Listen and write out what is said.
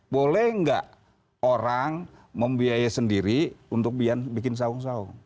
boleh nggak orang membiayai sendiri untuk bikin sawung sawung